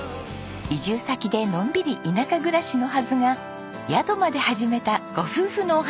移住先でのんびり田舎暮らしのはずが宿まで始めたご夫婦のお話。